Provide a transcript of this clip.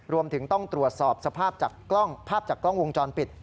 รวมถึงต้องตรวจสอบสภาพจากกล้องวงจรปิด